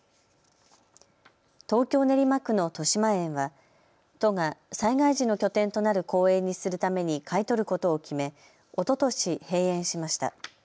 東京練馬区のとしまえんは都が災害時の拠点となる公園にするために買い取ることを決めおととし閉園しました。